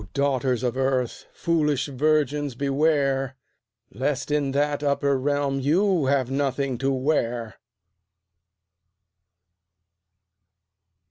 daughters of Earth! foolish virgins, beware! Lest in that upper realm you have nothing to wear!